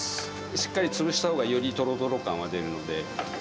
しっかり潰した方がよりとろとろ感は出るので。